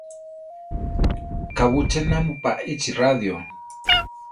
¿Kabú ché namúpa échi radio?